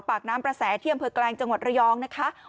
ปากน้ำประแสที่อำเภอแกลงจังหวัดระยองนะคะ